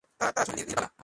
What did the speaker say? তাঁর ছোটো হচ্ছেন নীরবালা।